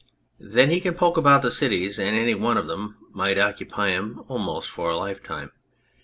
Then lie can poke about the cities, and any one of them might occupy him almost for a lifetime.